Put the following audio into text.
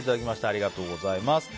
ありがとうございます。